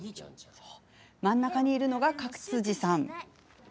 真ん中にいるのが勝地さん。